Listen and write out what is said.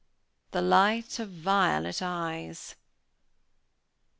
"The light of violet eyes."